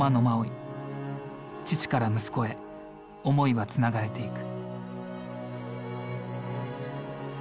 父から息子へ思いはつながれていく。